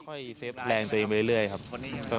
เฟฟแรงตัวเองไปเรื่อยครับ